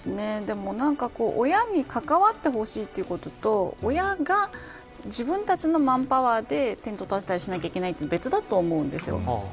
でも、なんか親に関わってほしいということと親が自分たちのマンパワーでテントを建てたりしなければいけないというのは別だと思うんですよ。